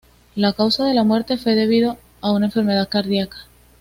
La causa de la muerte fue debido a una enfermedad cardíaca.